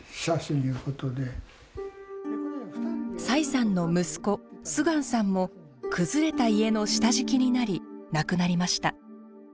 崔さんの息子秀光さんも崩れた家の下敷きになり亡くなりました。